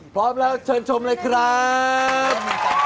พร้อมแล้วเชิญชมเลยครับ